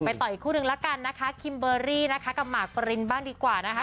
ต่ออีกคู่นึงละกันนะคะคิมเบอร์รี่นะคะกับหมากปรินบ้างดีกว่านะคะ